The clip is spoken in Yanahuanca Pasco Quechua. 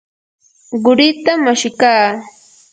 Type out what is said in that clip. quritam ashikaa.